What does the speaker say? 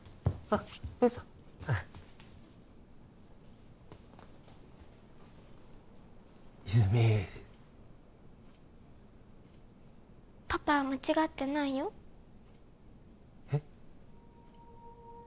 あっ明紗泉実パパは間違ってないよえっ？